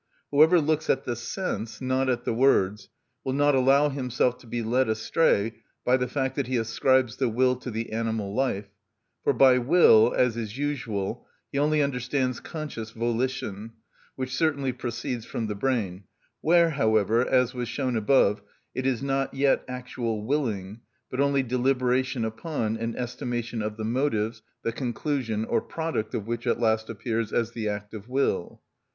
Whoever looks at the sense, not at the words, will not allow himself to be led astray by the fact that he ascribes the will to the animal life; for by will, as is usual, he only understands conscious volition, which certainly proceeds from the brain, where, however, as was shown above, it is not yet actual willing, but only deliberation upon and estimation of the motives, the conclusion or product of which at last appears as the act of will.